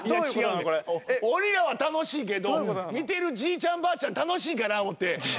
俺らは楽しいけど見てるじいちゃんばあちゃん楽しいかな思って。